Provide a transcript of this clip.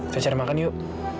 saya cari makan yuk